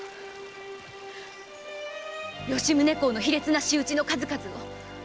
吉宗公の卑劣な仕打ちの数々！